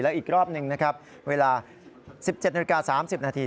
อีกรอบหนึ่งนะครับเวลา๑๗นาฬิกา๓๐นาที